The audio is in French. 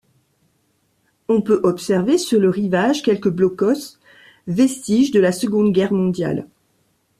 On peut observer sur le rivage quelques blockhaus, vestiges de la Seconde Guerre mondiale.